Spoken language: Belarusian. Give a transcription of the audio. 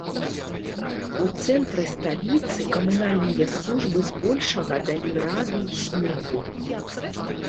У цэнтры сталіцы камунальныя службы збольшага далі рады снегу.